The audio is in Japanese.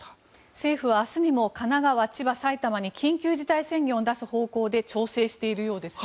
政府は明日にも埼玉、千葉、神奈川に緊急事態宣言を出す方向で調整しているようですね。